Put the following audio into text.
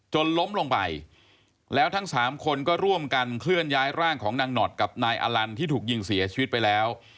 ล้มลงไปแล้วทั้งสามคนก็ร่วมกันเคลื่อนย้ายร่างของนางหนอดกับนายอลันที่ถูกยิงเสียชีวิตไปแล้ว